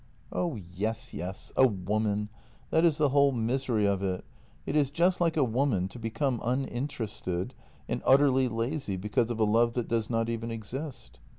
" Oh yes, yes — a woman; that is the whole misery of it. It is just like a woman to become uninterested and utterly lazy because of a love that does not even exist."